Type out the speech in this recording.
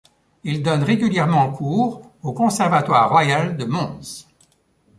Il donne régulièrement cours au Conservatoire royal de Mons.